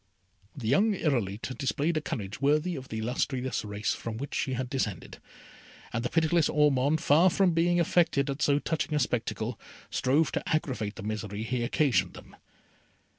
The young Irolite displayed a courage worthy of the illustrious race from which she had descended, and the pitiless Ormond, far from being affected at so touching a spectacle, strove to aggravate the misery he occasioned them.